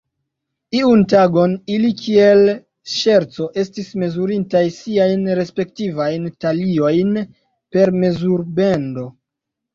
Iun tagon ili kiel ŝerco estis mezurintaj siajn respektivajn taliojn per mezurbendo.